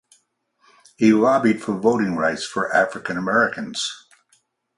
He lobbied for voting rights for African Americans.